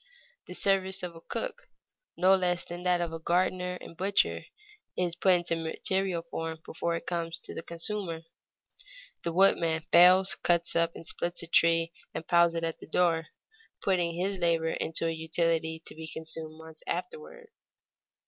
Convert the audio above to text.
The service of cook no less than that of gardener and butcher, is put into material form before it comes to the consumer. The woodman fells, cuts up and splits a tree, and piles it at the door, putting his labor into a utility to be consumed months afterward.